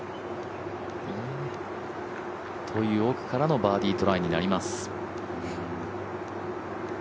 という奥からのバーディートライになります。